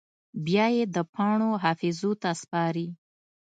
بیا یې د پاڼو حافظو ته سپاري